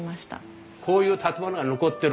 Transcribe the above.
こういう建物が残ってる。